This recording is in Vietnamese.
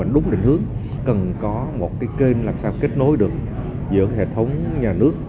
đúng định hướng cần có một cái kênh làm sao kết nối được giữa hệ thống nhà nước